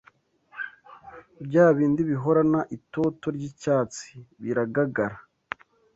bya bindi bihorana itoto ry’icyatsi biragagara